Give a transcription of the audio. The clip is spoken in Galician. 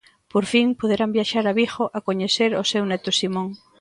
Por fin poderán viaxar a Vigo a coñecer o seu neto Simón.